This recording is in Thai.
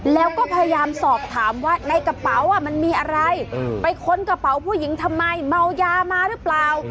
แล้วก็พยายามสอบถามว่าในกระเป๋ามันมีอะไรไปค้นกระเป๋าผู้หญิงทำไมเมายามาหรือเปล่า